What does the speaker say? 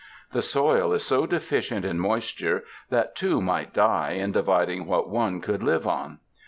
The soil is so deficient in moisture that two might die in dividing what one could live on.